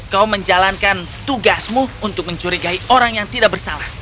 kau menjalankan tugasmu untuk mencurigai orang yang tidak bersalah